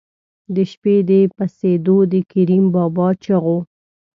د شپې د پسېدو د کریم بابا چغو.